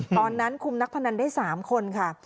ตอนนั้นคุมนักพนันได้๓คนค่ะ